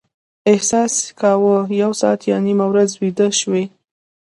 احساس کاوه یو ساعت یا نیمه ورځ ویده شوي.